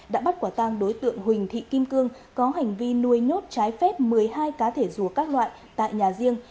đã bắt quả tang đối tượng huỳnh thị kim cương có hành vi nuôi nhốt trái phép một mươi hai cá thể rùa các loại tại nhà riêng